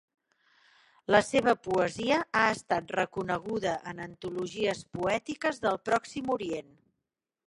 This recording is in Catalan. La seva poesia ha estat reconeguda en antologies poètiques del Pròxim Orient.